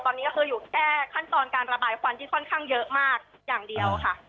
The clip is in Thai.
ตอนนี้ก็คืออยู่แค่ขั้นตอนการระบายควันที่ค่อนข้างเยอะมากอย่างเดียวค่ะ